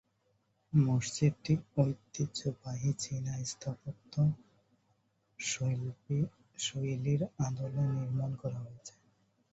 মসজিদটি ঐতিহ্যবাহী চীনা স্থাপত্য শৈলীর আদলে নির্মাণ করা হয়েছে।